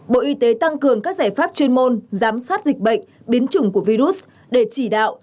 bộ y tế tăng cường các giải pháp chuyên môn giám sát dịch bệnh biến chủng của virus để chỉ đạo